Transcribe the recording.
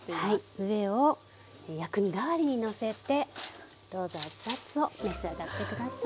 上を薬味代わりにのせてどうぞ熱々を召し上がって下さい。